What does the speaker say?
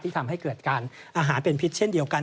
ทำให้เกิดการอาหารเป็นพิษเช่นเดียวกัน